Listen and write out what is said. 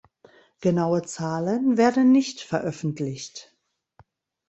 Genaue Zahlen werden nicht veröffentlicht.